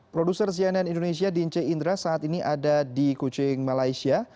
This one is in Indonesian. produser cnn indonesia dince indra saat ini ada di kuching malaysia